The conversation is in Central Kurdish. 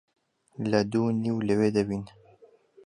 لە دوو و نیو لەوێ دەبین.